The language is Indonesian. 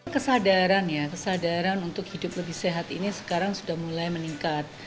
kesadaran ya kesadaran untuk hidup lebih sehat ini sekarang sudah mulai meningkat